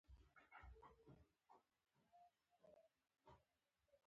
افغانستان تر هغو نه ابادیږي، ترڅو زعفران د کوکنارو ځای ونه نیسي.